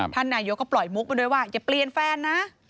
ท่านนายกก็ปล่อยมุกมาด้วยว่าอย่าเปลี่ยนแฟนนะ